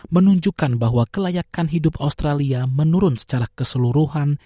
menunjukkan bahwa kelayakan hidup australia menurun secara keseluruhan